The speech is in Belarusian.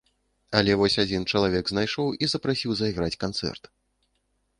Але вось адзін чалавек знайшоў і запрасіў зайграць канцэрт.